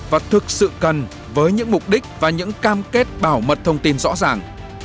và thực sự cần với những mục đích và những cam kết bảo mật thông tin rõ ràng